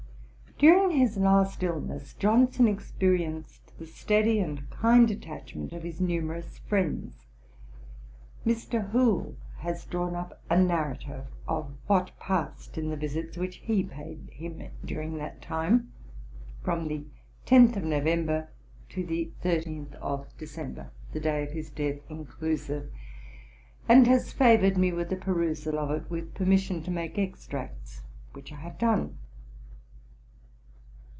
During his last illness, Johnson experienced the steady and kind attachment of his numerous friends. Mr. Hoole has drawn up a narrative of what passed in the visits which he paid him during that time, from the both of November to the 13th of December, the day of his death, inclusive, and has favoured me with a perusal of it, with permission to make extracts, which I have done.